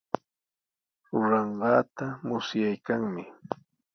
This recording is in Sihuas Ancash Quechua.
Ruranqaata musyaykanmi.